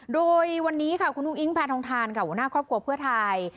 โดยวันนี้ค่ะคุณอุ้งอิงแพทองทานค่ะหัวหน้าครอบครัวเพื่อไทย